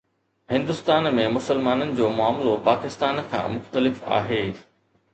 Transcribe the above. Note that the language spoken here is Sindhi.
هندستان ۾ مسلمانن جو معاملو پاڪستان کان مختلف آهي.